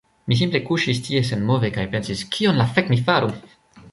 Mi simple kuŝis tie senmove kaj pensis kion la fek' mi faru